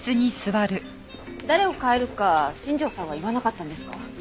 誰を代えるか新庄さんは言わなかったんですか？